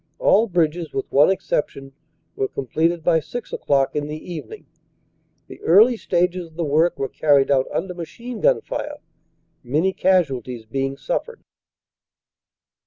All bridges, with one exception, were completed by 6 o clock in the evening. The early stages of the work were carried out under machine gun fire, many casualties being suffered."